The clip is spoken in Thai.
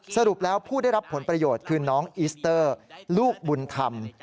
สรุปแล้วผู้ได้รับผลประโยชน์คือน้องอิสเตอร์ลูกบุญธรรม